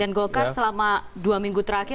dan gokar selama dua minggu terakhir